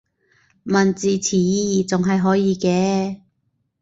問字詞意義仲係可以嘅